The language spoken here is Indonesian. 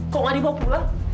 kok gak dibawa pulang